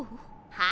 はい。